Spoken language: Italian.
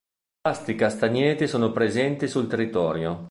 Vasti castagneti sono presenti sul territorio.